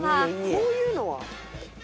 こういうのは？